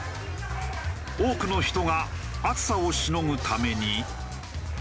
多くの人が暑さをしのぐために。